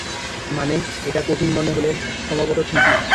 মানে, এটা সঠিক মনে হলে, সম্ভবত সঠিকই।